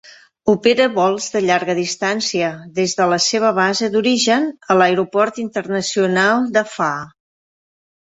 Opera vols de llarga distància des de la seva base d'origen a l'aeroport internacional de Faa'a.